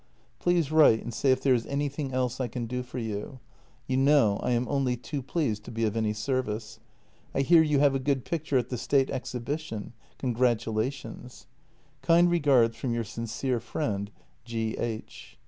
Please write and say if there is any thing else I can do for you; you know I am only too pleased to be of any service. I hear you have a good picture at the State exhibition — congratulations. " Kind regards from your sincere friend, G. H."